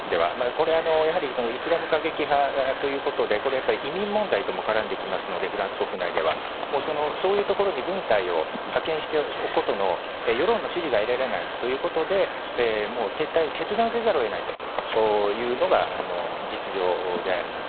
これは、やはりイスラム過激派ということで移民問題とも絡んできますのでフランス国内ではそういうところに軍隊を派遣しておくことの世論の支持が得られないということで撤退を決断せざるを得ないというのが実情であります。